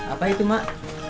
apa itu mak